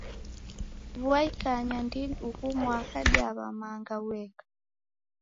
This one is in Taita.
Vua ikanya ndini ughu mwaka diaw'a manga ueka.